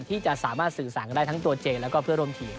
ที่จะสามารถสื่อสารกันได้ทั้งตัวเจแล้วก็เพื่อร่วมทีม